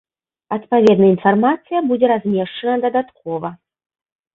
Адпаведная інфармацыя будзе размешчана дадаткова.